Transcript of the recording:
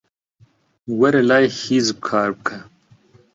وەرە لای حیزب کار بکە.